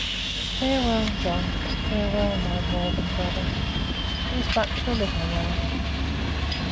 Farewell, John! Farewell, my more than brother! It is but for a little while.